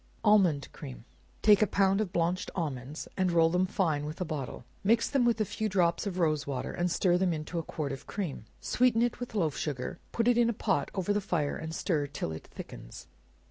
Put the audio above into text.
Almond Cream. Take a pound of blanched almonds, and roll them fine with a bottle; mix them with a few drops of rose water, and stir them into a quart of cream; sweeten it with loaf sugar, put it in a pot over the fire, and stir it till it thickens.